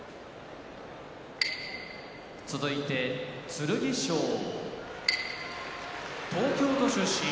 剣翔東京都出身